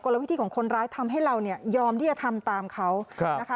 ละวิธีของคนร้ายทำให้เราเนี่ยยอมที่จะทำตามเขานะคะ